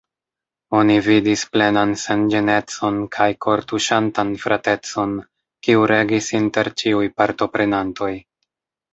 Oni vidis plenan senĝenecon kaj kortuŝantan fratecon, kiu regis inter ĉiuj partoprenantoj.